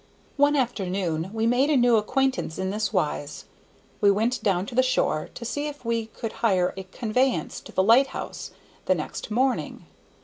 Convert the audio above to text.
One afternoon we made a new acquaintance in this wise. We went down to the shore to see if we could hire a conveyance to the lighthouse the next morning.